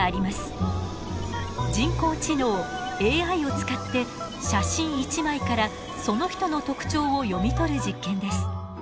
人工知能ＡＩを使って写真一枚からその人の特徴を読み取る実験です。